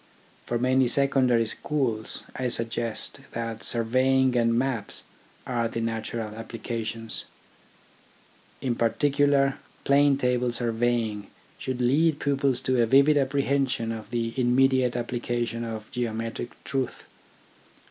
For many secondary schools I suggest that surveying and maps are the natural applications. In particular, plane table surveying should lead pupils to a vivid apprehension of the immediate application of geometric truths.